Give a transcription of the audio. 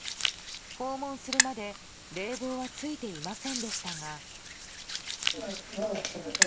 訪問するまで冷房はついていませんでしたが。